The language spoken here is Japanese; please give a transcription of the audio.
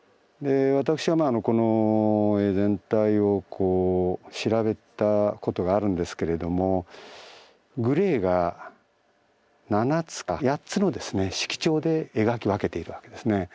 私はまあこの絵全体をこう調べたことがあるんですけれどもグレーが７つか８つの色調で描き分けているわけですね。